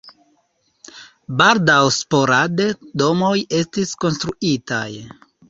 Baldaŭ sporade domoj estis konstruitaj.